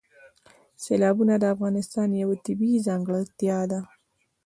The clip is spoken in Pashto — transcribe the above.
سیلابونه د افغانستان یوه طبیعي ځانګړتیا ده.